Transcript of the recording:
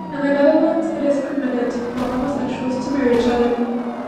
In the Netherlands it is permitted for homosexuals to marry each other.